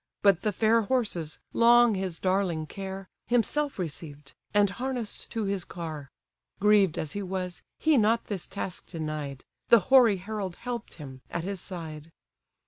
But the fair horses, long his darling care, Himself received, and harness'd to his car: Grieved as he was, he not this task denied; The hoary herald help'd him, at his side.